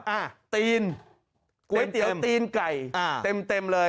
ปรูปถีนก๋วยเตี๋ยวตีนไก่เต็มเลย